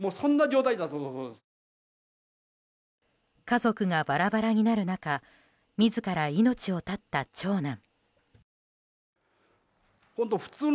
家族がバラバラになる中自ら命を絶った長男。